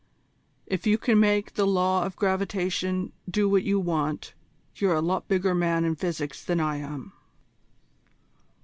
If you can make the law of gravitation do what you want, you're a lot bigger man in physics than I am."